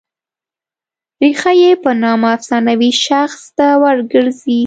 ریښه یې په نامه افسانوي شخص ته ور ګرځي.